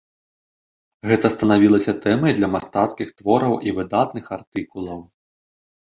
Гэта станавілася тэмай для мастацкіх твораў і выдатных артыкулаў.